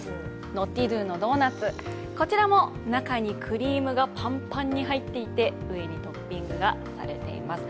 ノティドゥのドーナツ、こちらも中にクリームがパンパンに入っていて上にトッピングがあります。